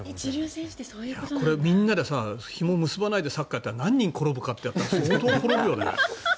みんなでひもを結ばないでサッカーやったら何人転ぶかってやったら相当転ぶよね。